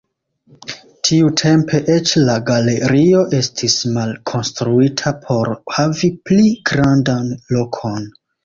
Tiutempe eĉ la galerio estis malkonstruita por havi pli grandan lokon.